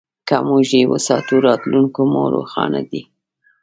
که موږ یې وساتو، راتلونکی مو روښانه دی.